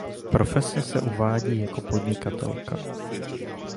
Profesně se uvádí jako podnikatelka.